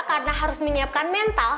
karena harus menyiapkan mental